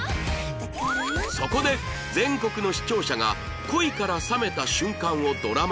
そこで全国の視聴者が恋から冷めた瞬間をドラマ化